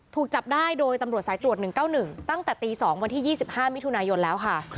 ถูกจับได้โดยตำรวจสายตรวจ๑๙๑ตั้งแต่ตี๒วันที่๒๕มิถุนายนแล้วค่ะ